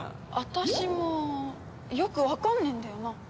私もよくわかんねえんだよな。